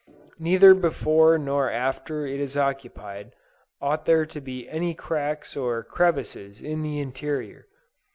Neither before nor after it is occupied, ought there to be any cracks or crevices in the interior.